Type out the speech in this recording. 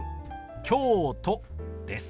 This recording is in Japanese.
「京都」です。